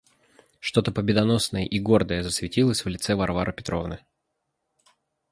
Что-то победоносное и гордое засветилось в лице Варвары Петровны.